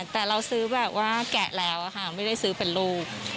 แต่เราซื้อแบบว่าแกะแล้วค่ะไม่ได้ซื้อเป็นลูก